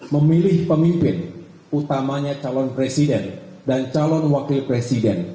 memilih pemimpin utamanya calon presiden dan calon wakil presiden